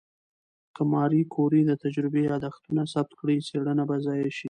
که ماري کوري د تجربې یادښتونه ثبت نه کړي، څېړنه به ضایع شي.